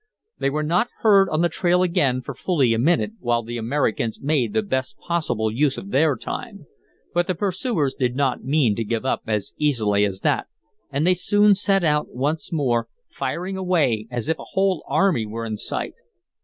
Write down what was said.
They were not heard on the trail again for fully a minute, while the Americans made the best possible use of their time. But the pursuers did not mean to give up as easily as that, and they soon set out once more, firing away as if a whole army were in sight.